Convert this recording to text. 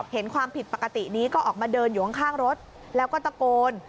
เห็นความผิดปกตินี้ก็ออกมาเดินอยู่ข้างรถแล้วก็ตะโกน